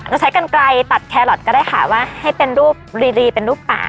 เราใช้กันไกลตัดแครอทก็ได้ค่ะว่าให้เป็นรูปรีเป็นรูปป่า